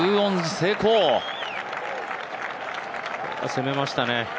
攻めましたね。